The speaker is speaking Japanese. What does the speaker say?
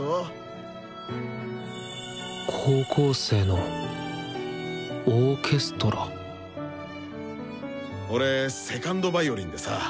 高校生のオーケストラ俺２ｎｄヴァイオリンでさ